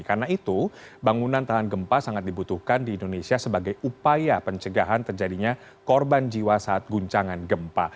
karena itu bangunan tahan gempa sangat dibutuhkan di indonesia sebagai upaya pencegahan terjadinya korban jiwa saat guncangan gempa